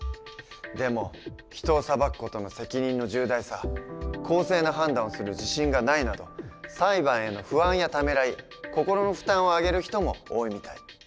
でも人を裁く事の責任の重大さ公正な判断をする自信がないなど裁判への不安やためらい心の負担を挙げる人も多いみたい。